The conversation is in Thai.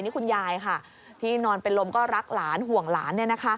นี่คุณยายค่ะที่นอนเป็นลมก็รักหลานห่วงหลาน